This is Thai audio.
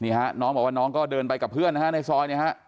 น้องบอกว่าน้องก็เดินไปกับเพื่อนนะฮะในซอยเนี่ยฮะ